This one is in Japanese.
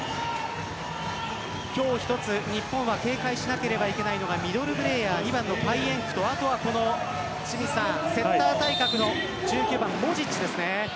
今日一つ、日本は警戒しなければならないのがミドルプレーヤー２番のパイエンクとセッター対角の１９番モジッチです。